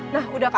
nah udah kak